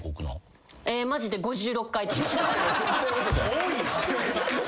多い。